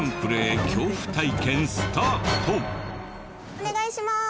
お願いします。